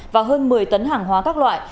và hơn một mươi tấn hàng hóa các loại